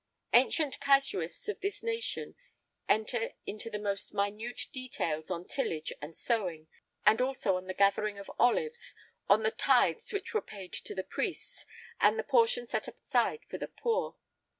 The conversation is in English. Ancient casuists of this nation enter into the most minute details on tillage and sowing, and also on the gathering of olives, on the tithes which were paid to the priests, and the portion set aside for the poor.